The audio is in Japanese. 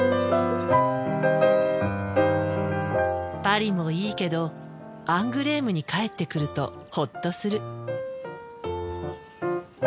パリもいいけどアングレームに帰ってくるとホッとする。